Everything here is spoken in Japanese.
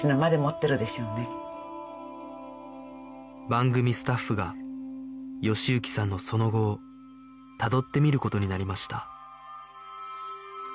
番組スタッフが喜之さんのその後をたどってみる事になりました